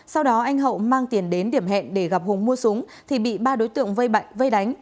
sau đó anh hậu mang tiền đến điểm hẹn để gặp hùng mua súng thì bị ba đối tượng vây bậy vây đánh